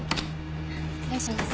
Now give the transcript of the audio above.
失礼します。